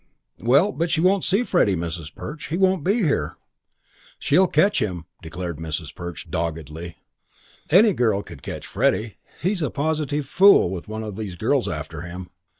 "Well, but she won't see Freddie, Mrs. Perch. He won't be here." "She'll catch him," declared Mrs. Perch doggedly. "Any girl could catch Freddie. He's a positive fool with one of these girls after him.